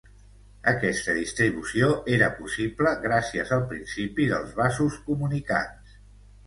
Aquesta distribució era possible gràcies al principi dels vasos comunicants.